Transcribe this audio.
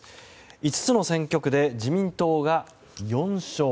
５つの選挙区で自民党が４勝。